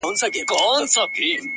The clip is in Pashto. ما د سفر موزې په پښو کړلې له ياره سره _